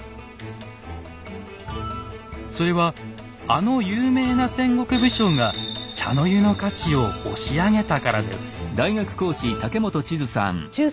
それはあの有名な戦国武将が茶の湯の価値を押し上げたからです。